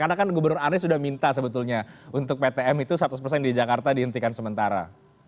karena kan gubernur aris sudah minta sebetulnya untuk ptm itu seratus persen di jakarta dihentikan sementara